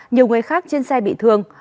nhiều người khác trên xe bị thương